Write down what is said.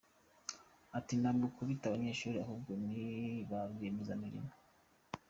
Ati “Ntabwo tubita abanyeshuri ahubwo ni ba rwiyemezamirimo.